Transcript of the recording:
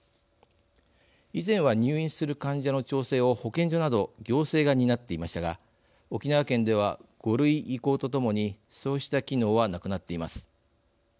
以前は、入院する患者の調整を保健所など行政が担っていましたが沖縄県では、５類移行とともにそうした機能はなくなっています。